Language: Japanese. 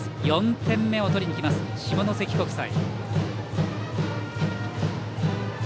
４点目を取りに来ます、下関国際。